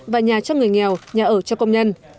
và nhà cho người nghèo nhà ở cho công nhân